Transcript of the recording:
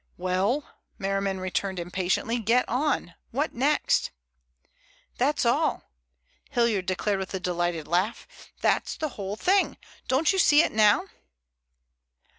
"Well?" Merriman returned impatiently. "Get on. What next?" "That's all," Hilliard declared with a delighted laugh. "That's the whole thing. Don't you see it now?"